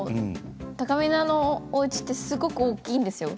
たかみなのおうちってすごく大きいんですよ。